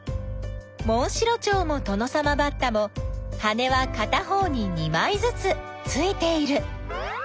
モンシロチョウもトノサマバッタも羽はかた方に２まいずつついている。